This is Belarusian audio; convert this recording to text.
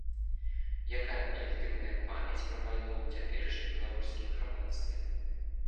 Якая калектыўная памяць пра вайну ў цяперашнім беларускім грамадстве?